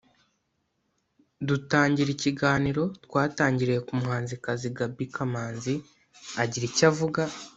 Dutangira ikiganiro twatangiriye k’umuhanzikazi Gaby Kamanzi agira icyo avuga